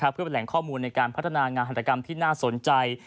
เพื่อเป็นแหล่งข้อมูลในการพัฒนางานหัตกรรมที่น่าสนใจ